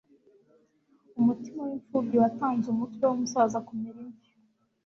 Umutima w'imfubyi watanze umutwe w'umusaza kumera imvi